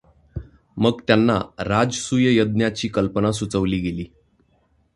मग त्यांना राजसूय यज्ञाची कल्पना सुचवली गेली.